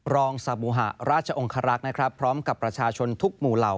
รองสาบุหะราชองคารักษ์นะครับพร้อมกับประชาชนทุกหมู่เหล่า